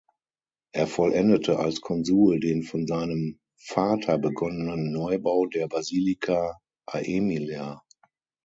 Er vollendete als Konsul den von seinem Vater begonnenen Neubau der Basilica Aemilia.